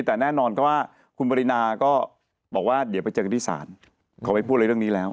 แต่แน่นอนก็ว่าคุณปรินาก็บอกว่าเดี๋ยวไปเจอกันที่ศาลเขาไม่พูดอะไรเรื่องนี้แล้ว